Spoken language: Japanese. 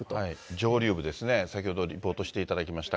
上流部ですね、先ほどリポートしていただきました。